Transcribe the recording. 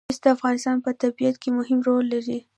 مس د افغانستان په طبیعت کې مهم رول لري.